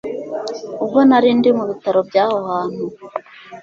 ubwo nari ndi mu bitaro byaho hantu